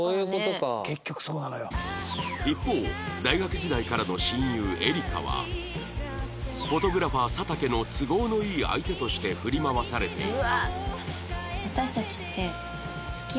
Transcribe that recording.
一方大学時代からの親友エリカはフォトグラファー佐竹の都合のいい相手として振り回されていた